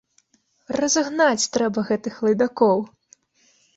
Разагнаць трэба гэтых лайдакоў!